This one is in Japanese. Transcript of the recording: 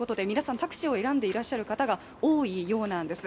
タクシーを選んでいらっしゃる方が多いようなんです。